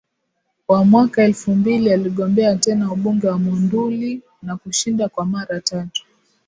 wa mwaka elfu mbili aligombea tena ubunge wa Monduli na kushinda kwa mara tatu